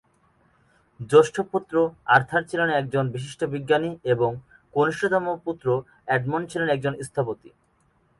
জ্যেষ্ঠ পুত্র আর্থার ছিলেন একজন বিশিষ্ট বিজ্ঞানী এবং কনিষ্ঠতম পুত্র এডমন্ড ছিলেন একজন স্থপতি।